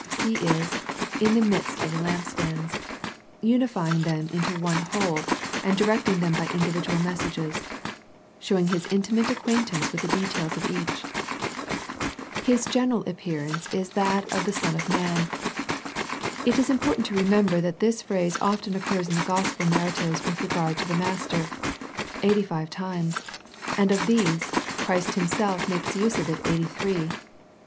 He is " in the midst of the lampstands," unifying them into one whole, and directing them by individual messages, showing His intimate acquaintance with the details of each. 20 A First Century Message His general appearance is that of the Son of man. It is important to remember that this phrase occurs in the Gospel narratives with regard to the Master, eighty five times, and of these, Christ Himself makes use of it eighty three.